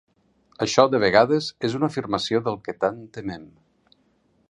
Això, de vegades, és una afirmació del que tant temem.